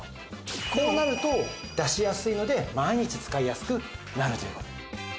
こうなると出しやすいので毎日使いやすくなるという。